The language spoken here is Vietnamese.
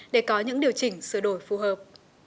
để có những điều chỉnh sửa đổi phù hợp